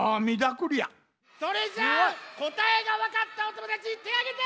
それじゃあこたえがわかったおともだちてあげて！